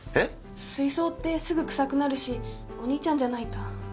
水槽ってすぐ臭くなるしお兄ちゃんじゃないと。